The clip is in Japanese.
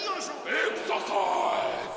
エクササイズ！